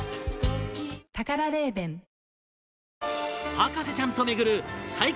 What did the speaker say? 博士ちゃんと巡る最強